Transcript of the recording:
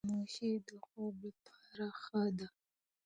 خاموشي د خوب لپاره ښه ده.